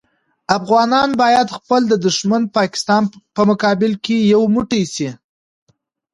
افغانان باید خپل د دوښمن پاکستان په مقابل کې یو موټی شي.